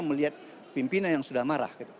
melihat pimpinan yang sudah marah